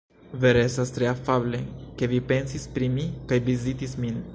Vere estas tre afable, ke vi pensis pri mi kaj vizitis min.